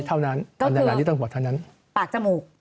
ทางใจเท่านั้นก็คือปากจมูก